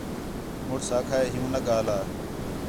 مڑس آکھا ہِے ہیوں نہ ڳاھلا